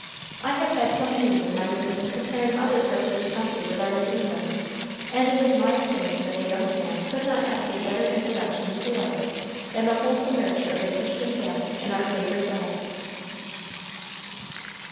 I have had some means in my youth of comparing other parts of the country with our New England, and it is my opinion that a young man could not ask a better introduction into life than the wholesome nurture of a Christian family in our favored land."